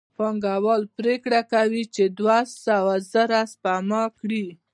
پانګوال پرېکړه کوي چې دوه سوه زره سپما کړي